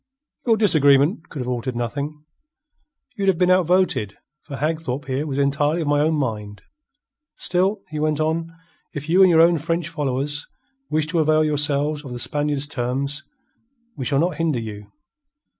"Your disagreement could have altered nothing. You'd have been outvoted, for Hagthorpe here was entirely of my own mind. Still," he went on, "if you and your own French followers wish to avail yourselves of the Spaniard's terms, we shall not hinder you.